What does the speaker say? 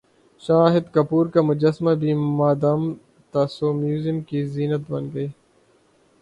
شاہد کپور کا مجسمہ بھی مادام تساو میوزم کی زینت بن گیا